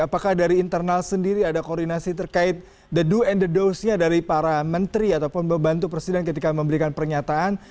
apakah dari internal sendiri ada koordinasi terkait the do and the dost nya dari para menteri ataupun membantu presiden ketika memberikan pernyataan